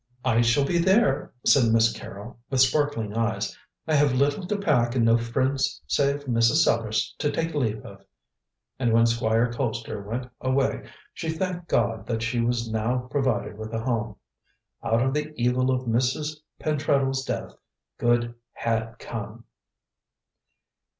"I shall be there," said Miss Carrol, with sparkling eyes. "I have little to pack and no friends save Mrs. Sellars to take leave of." And when Squire Colpster went away, she thanked God that she was now provided with a home. Out of the evil of Mrs. Pentreddle's death good had come.